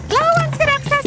lawan si raksasa